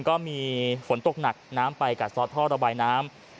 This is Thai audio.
ก็มีฝนตกหนักน้ำไปกัดซอสท่อระบายน้ำ